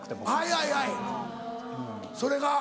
はいはいはいそれが。